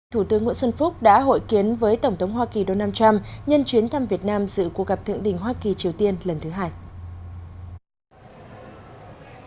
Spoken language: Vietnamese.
thủ tướng nguyễn xuân phúc đã hội kiến với tổng thống hoa kỳ donald trump nhân chuyến thăm việt nam dự cuộc gặp thượng đỉnh hoa kỳ triều tiên lần thứ hai